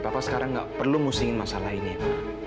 papa sekarang gak perlu musingin masalah ini ya pak